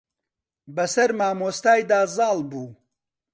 بە سەر مامۆستای دا زاڵ بوو.